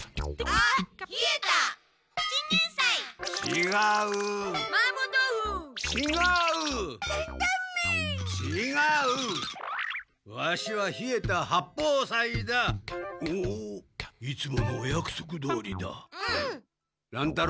あいつものおやくそくどおりだ。